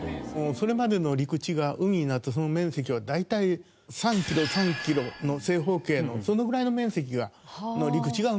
それまでの陸地が海になるとその面積は大体３キロ３キロの正方形のそのぐらいの面積の陸地が海になった。